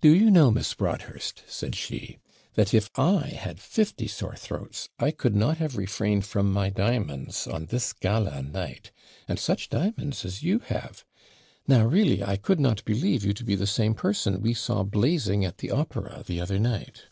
'Do you know, Miss Broadhurst,' said she, 'that if I had fifty sore throats, I could not have refrained from my diamonds on this GALA night; and such diamonds as you have! Now, really, I could not believe you to be the same person we saw blazing at the opera the other night!'